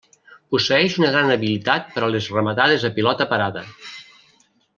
Posseeix una gran habilitat per a les rematades a pilota parada.